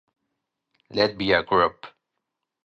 Let be a group.